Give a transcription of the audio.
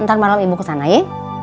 ntar malem ibu kesana ye